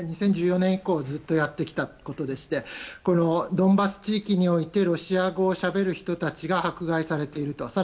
２０１４年以降ずっとやってきたことでしてドンバス地域においてロシア語をしゃべる人たちが迫害されていると。